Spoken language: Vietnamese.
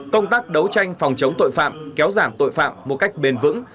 công tác đấu tranh phòng chống tội phạm kéo giảm tội phạm một cách bền vững